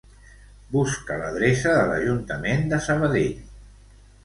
Busca l'adreça de l'Ajuntament de Sabadell.